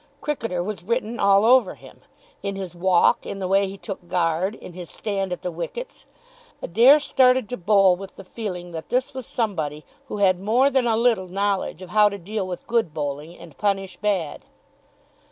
Cricketer was written all over him in his walk, in the way he took guard, in his stand at the wickets. Adair started to bowl with the feeling that this was somebody who had more than a little knowledge of how to deal with good bowling and punish bad.